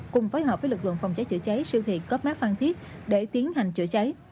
cùng phối hợp với lực lượng phòng cháy chữa cháy siêu thị cấp mát phan thiết để tiến hành chữa cháy